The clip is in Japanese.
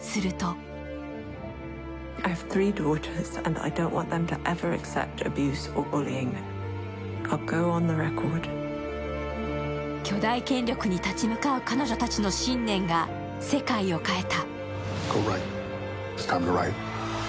すると巨大権力に立ち向かう彼女たちの信念が世界を変えた。